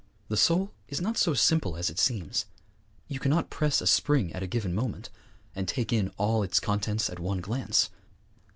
The soul is not so simple as it seems. You cannot press a spring at a given moment, and take in all its contents at one glance.